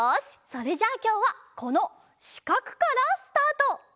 それじゃあきょうはこのしかくからスタート！